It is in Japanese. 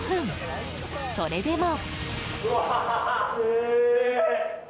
それでも。